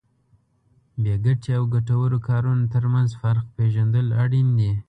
بې ګټې او ګټورو کارونو ترمنځ فرق پېژندل اړین دي.